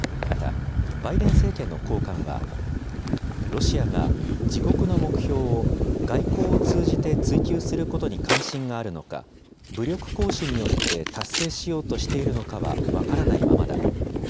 またバイデン政権の高官は、ロシアが自国の目標を外交を通じて追求することに関心があるのか、武力行使によって達成しようとしているのかは分からないままだ。